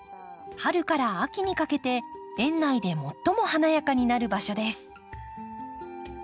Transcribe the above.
春から秋にかけて園内で最も華やかになる場所です。